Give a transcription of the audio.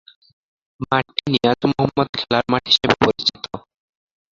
মাঠটি নিয়াজ মোহাম্মদ খেলার মাঠ হিসেবে পরিচিত।